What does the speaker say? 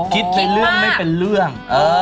คิดในเรื่องไม่เป็นเรื่อง